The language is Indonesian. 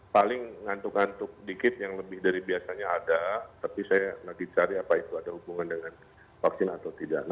paling ngantuk ngantuk dikit yang lebih dari biasanya ada tapi saya nanti cari apa itu ada hubungan dengan vaksin atau tidak